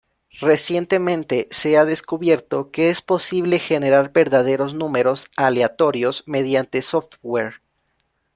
Recientemente se ha descubierto que es posible generar verdaderos números aleatorios mediante software.